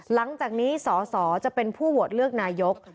หลังจากนี้สสจะเป็นผู้โหวตเลือกนายก